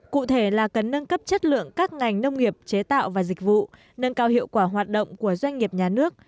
cụ thể là cần nâng cấp chất lượng các ngành nông nghiệp chế tạo và dịch vụ nâng cao hiệu quả hoạt động của doanh nghiệp nhà nước